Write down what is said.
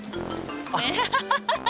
アハハハッ！